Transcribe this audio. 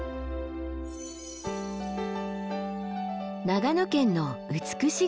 長野県の美ヶ原。